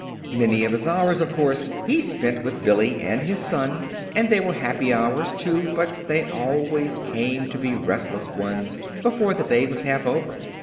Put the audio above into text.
Many of his hours, of course, he spent with Billy and his son, and they were happy hours, too; but they always came to be restless ones before the day was half over.